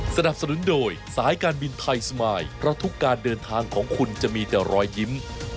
สนับสนุนโดยสายการบินไทยสมายเพราะทุกการเดินทางของคุณจะมีแต่รอยยิ้ม